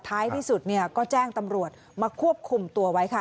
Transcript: ท้ายที่สุดเนี่ยก็แจ้งตำรวจมาควบคุมตัวไว้ค่ะ